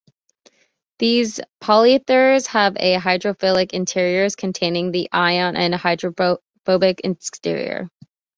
These polyethers have a hydrophilic "interiors" containing the ion and a hydrophobic exterior.